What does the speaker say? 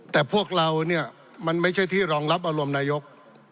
แต่พวกเราเนี่ยมันไม่ใช่ที่รองรับอารมณ์นายก